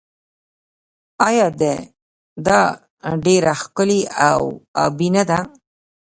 آیا دا ډیره ښکلې او ابي نه ده؟